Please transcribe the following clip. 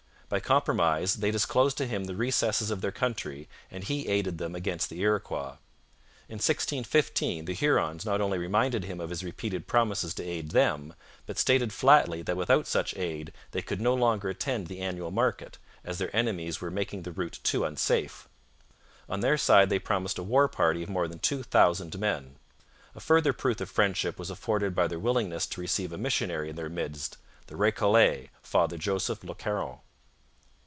By compromise they disclosed to him the recesses of their country and he aided them against the Iroquois. In 1615 the Hurons not only reminded him of his repeated promises to aid them, but stated flatly that without such aid they could no longer attend the annual market, as their enemies were making the route too unsafe. On their side they promised a war party of more than two thousand men. A further proof of friendship was afforded by their willingness to receive a missionary in their midst the Recollet, Father Joseph Le Caron.